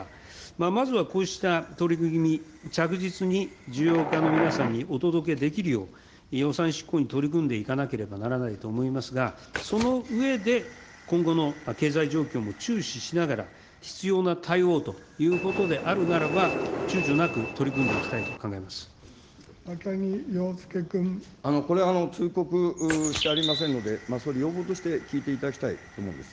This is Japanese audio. まずはこうした取り組み、着実にの皆さんにお届けできるよう、予算執行に取り組んでいかなければならないと思いますが、その上で、今後の経済状況も注視しながら、必要な対応ということであるならばちゅうちょなく取り組んでいき高木陽介君。これ、通告してありませんので、総理、要望として聞いていただきたいと思うんです。